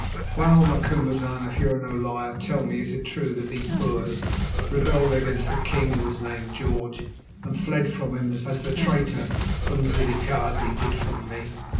"Well, Macumazahn, if you are no liar, tell me, is it true that these Boers rebelled against their king who was named George, and fled from him as the traitor Umsilikazi did from me?"